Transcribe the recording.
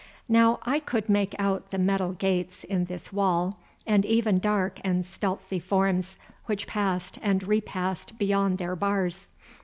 Now I could make out the metal gates in this wall, and even dark and stealthy forms which passed and repassed beyond their bars.